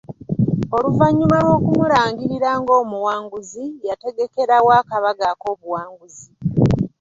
Oluvannyuma lw'okumulangirira ng'omuwanguzi, yategekerawo akabaga ak'obuwanguzi.